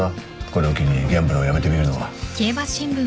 これを機にギャンブルをやめてみるのは。